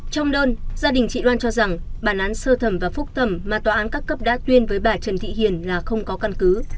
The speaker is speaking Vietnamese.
trong đơn gia đình chị loan cho rằng bản án sơ thẩm và phúc thẩm mà tòa án các cấp đã tuyên với bà trần thị hiền là không có căn cứ